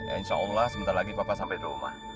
insya allah sebentar lagi papa sampai rumah